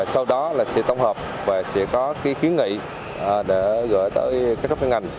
sau đó sẽ tổng hợp và sẽ có khí nghị để gửi tới các ngành